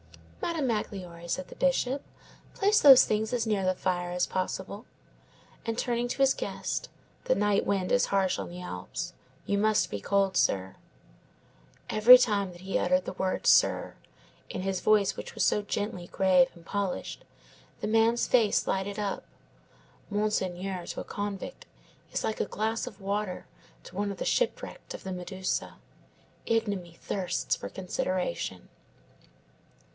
"Madame Magloire," said the Bishop, "place those things as near the fire as possible." And turning to his guest: "The night wind is harsh on the Alps. You must be cold, sir." Each time that he uttered the word sir, in his voice which was so gently grave and polished, the man's face lighted up. Monsieur to a convict is like a glass of water to one of the shipwrecked of the Medusa. Ignominy thirsts for consideration.